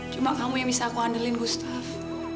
cuma kamu yang bisa aku andalin gustaf